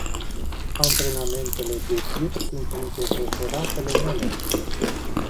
Antrenamentele de tir sunt printre preferatele mele.